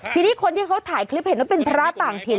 ทีนี้คนที่เขาถ่ายคลิปเห็นว่าเป็นพระต่างถิ่น